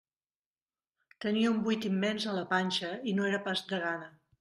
Tenia un buit immens a la panxa i no era pas de gana.